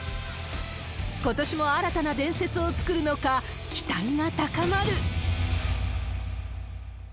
ことしも新たな伝説を作るのか、期待が高まる。